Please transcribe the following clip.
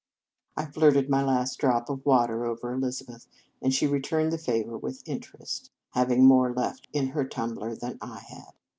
I flirted my last drops of water over Elizabeth, and she returned the favour with interest, having more left in her tumbler than I had.